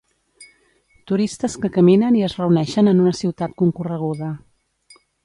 Turistes que caminen i es reuneixen en una ciutat concorreguda.